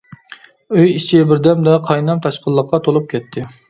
ئۆي ئىچى بىردەمدە قاينام تاشقىنلىققا تولۇپ كەتتى.